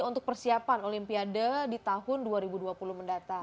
untuk persiapan olimpiade di tahun dua ribu dua puluh mendatang